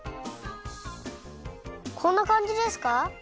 こんなかんじですか？